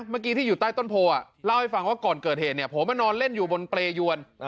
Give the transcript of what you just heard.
เมื่อกี้ที่อยู่ใต้ต้นโพเล่าให้ฟังว่าก่อนเกิดเหตุเนี่ยผมมานอนเล่นอยู่บนเปรยวน